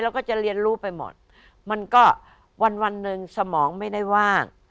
แล้วก็จะเรียนรู้ไปหมดมันก็วันหนึ่งสมองไม่ได้ว่าง